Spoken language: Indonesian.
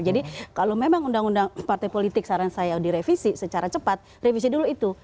jadi kalau memang undang undang partai politik saran saya direvisi secara cepat revisi dulu itu